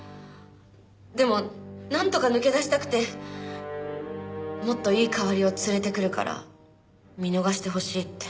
でもなんとか抜け出したくてもっといい代わりを連れてくるから見逃してほしいって。